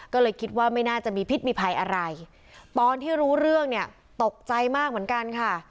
ก็เลยคิดว่าไม่น่าจะมีพิษมีภัยอะไรตอนที่รู้เรื่องเนี่ยตกใจมากเหมือนกันค่ะ